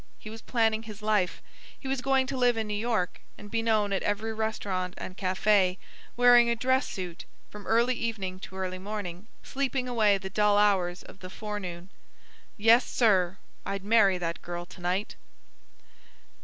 He was planning his life. He was going to live in New York, and be known at every restaurant and cafe, wearing a dress suit from early evening to early morning, sleeping away the dull hours of the forenoon. "Yes, sir, I'd marry that girl to night!"